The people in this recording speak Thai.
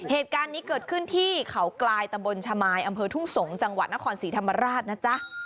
เหตุการณ์นี้เกิดขึ้นที่เขากลายตะบนชะมายอำเภอทุ่งสงศ์จังหวัดนครศรีธรรมราชนะจ๊ะ